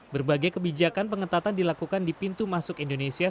berbagai kebijakan pengetatan dilakukan di pintu masuk indonesia